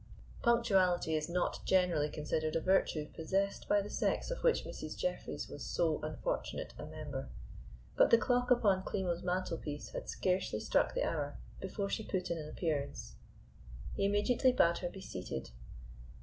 Punctuality is not generally considered a virtue possessed by the sex of which Mrs. Jeffreys was so unfortunate a member, but the clock upon Klimo's mantelpiece had scarcely struck the hour before she put in an appearance. He immediately bade her be seated.